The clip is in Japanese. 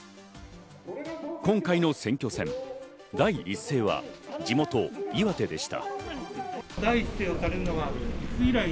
今回の選挙戦、第一声は地元・岩手でした。